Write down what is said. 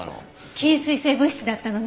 禁水性物質だったのね。